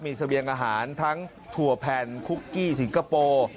มีเสบียงอาหารทั้งถั่วแผ่นคุกกี้สิงคโปร์